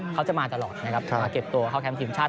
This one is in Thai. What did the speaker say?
เขาจะมาตลอดนะครับมาเก็บตัวเข้าแคมป์ทีมชาติ